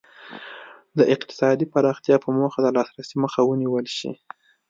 د اقتصادي پراختیا په موخه د لاسرسي مخه ونیول شي.